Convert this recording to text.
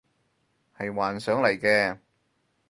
係幻想嚟嘅